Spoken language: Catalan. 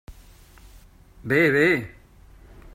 Bé, bé!